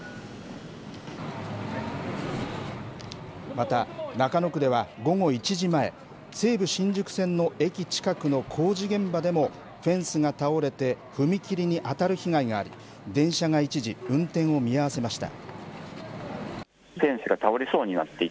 また、中野区では午後１時前、西武新宿線の駅近くの工事現場でも、フェンスが倒れて、踏切に当たる被害があり、電車が一時運転を見合わせました。